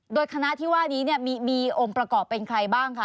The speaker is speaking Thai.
โดยคณะที่ว่านี้มีองค์ประกอบเป็นใครบ้างคะ